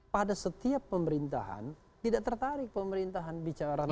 pada setiap pemerintahan tidak tertarik pemerintahan bicara